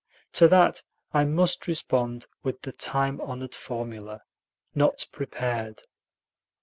To that I must respond with the time honored formula, "Not prepared."